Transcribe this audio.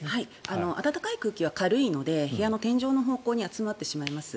暖かい空気は軽いので部屋の天井の方向に集まってしまいます。